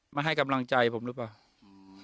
มันให้กำลังใจผมรึเปล่า